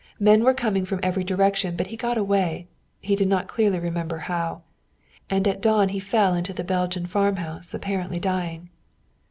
Men were coming from every direction, but he got away he did not clearly remember how. And at dawn he fell into the Belgian farmhouse, apparently dying.